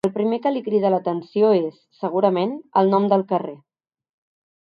El primer que li crida l’atenció és, segurament, el nom del carrer.